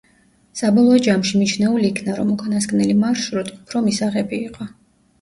საბოლოო ჯამში მიჩნეულ იქნა, რომ უკანასკნელი მარშრუტი უფრო მისაღები იყო.